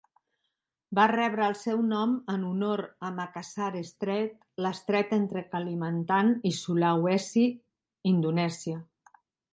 Va rebre el seu nom en honor a Makassar Strait, l'estret entre Kalimantan i Sulawesi, Indonèsia.